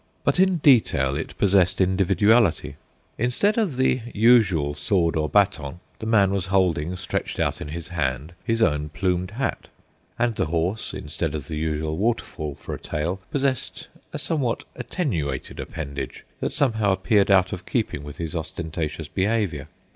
But in detail it possessed individuality. Instead of the usual sword or baton, the man was holding, stretched out in his hand, his own plumed hat; and the horse, instead of the usual waterfall for a tail, possessed a somewhat attenuated appendage that somehow appeared out of keeping with his ostentatious behaviour.